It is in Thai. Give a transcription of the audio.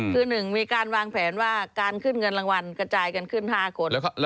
คือ๑มีการวางแผนว่าการขึ้นเงินรางวัลกระจายกันขึ้น๕คน